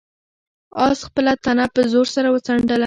آس خپله تنه په زور سره وڅنډله.